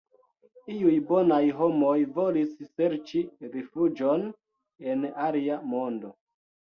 Iuj bonaj homoj volis serĉi rifuĝon en alia mondo.